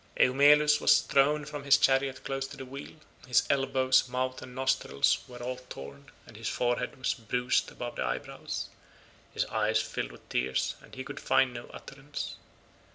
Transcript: Eumelus was thrown from his chariot close to the wheel; his elbows, mouth, and nostrils were all torn, and his forehead was bruised above his eyebrows; his eyes filled with tears and he could find no utterance.